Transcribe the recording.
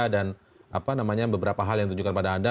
dan apa namanya beberapa hal yang ditunjukkan kepada anda